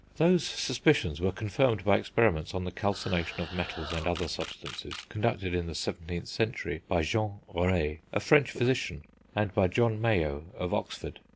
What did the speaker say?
Those suspicions were confirmed by experiments on the calcination of metals and other substances, conducted in the 17th century by Jean Rey a French physician, and by John Mayow of Oxford.